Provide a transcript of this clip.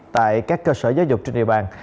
tại các cơ sở giáo dục trên địa bàn